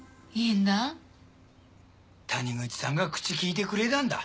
谷口さんが口利いでくれだんだ。